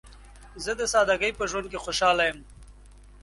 زه د سادګۍ په ژوند کې خوشحاله یم.